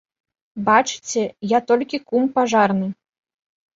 Бачыце, я толькі кум пажарны.